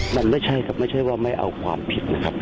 มันไม่ใช่ครับไม่ใช่ว่าไม่เอาความผิดนะครับ